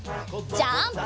ジャンプ！